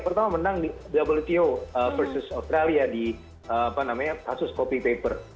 pertama menang di wto versus australia di kasus copy paper